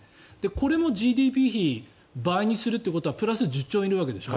これもＧＤＰ比倍にするってことはプラス１０兆円入るわけでしょ。